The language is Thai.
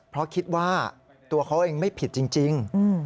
เพราะคิดว่าตัวเขาเองไม่ผิดจริง